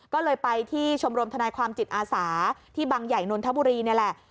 ก็เลยไปที่ชมรมทนายความจิตอาสาที่บังใหญ่นนทบุรีนี่แหละ